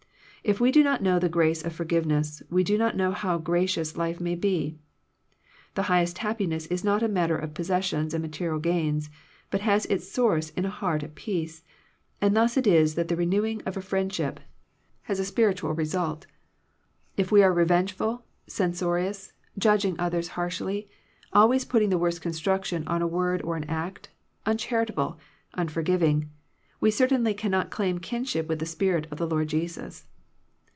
If we do not know the grace of forgiveness, we do not know how gracious life may be. The highest happiness is not a matter of possessions and material gains, but has its source in a heart at peace; and thus it is that the renewing of friendship has a Digitized by VjOOQIC THE RENEWING OF FRIENDSHIP spiritual result If we are revengeful, censorious, judging others harshly, always putting the worst construction on a word or an act, uncharitable, unforgiving, we certainly cannot claim kinship with the spirit of the Lord Jesus.